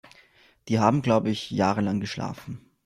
Die haben, glaub ich, jahrelang geschlafen.